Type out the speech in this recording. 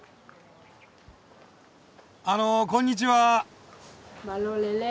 あのこんにちは。